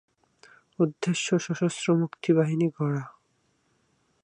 উদ্দেশ্য সশস্ত্র মুক্তিবাহিনী গড়া।